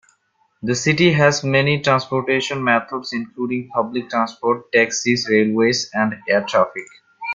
The city has many transportation methods, including: public transport, taxis, railways, and air traffic.